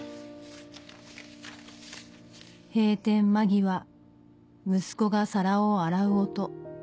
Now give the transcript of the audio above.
「閉店間際息子が皿を洗う音。